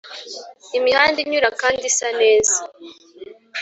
imihanda inyura kandi isa neza